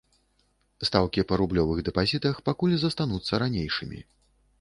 Стаўкі па рублёвых дэпазітах пакуль застануцца ранейшымі.